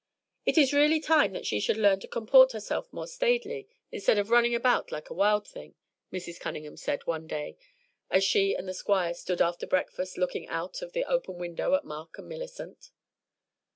"It is really time that she should learn to comport herself more staidly, instead of running about like a wild thing," Mrs. Cunningham said, one day, as she and the Squire stood after breakfast looking out of the open window at Mark and Millicent.